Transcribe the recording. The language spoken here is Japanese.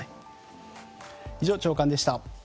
以上、朝刊でした。